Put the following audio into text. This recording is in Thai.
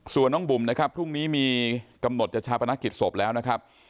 ส่วนน้องบุ๋มนะครับพรุ่งนี้มีกำหนดจัดชาปนกิจศพแล้วนะครับ